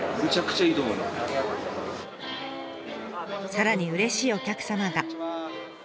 さらにうれしいお客様が。